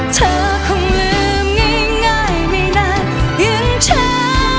เธอคงลืมง่ายไม่นานอย่างฉัน